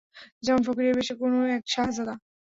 যেমন ফকিরের বেশে কোন এক শাহজাদা।